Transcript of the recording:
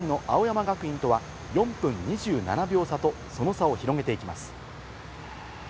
３位の青山学院とは４分２７秒差と、その差を広げていきます。